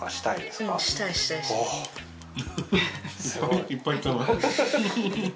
すごい。いっぱい言ったな。